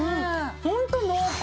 ホント濃厚！